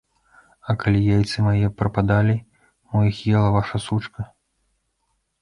А калі яйцы мае прападалі, мо іх ела ваша сучка.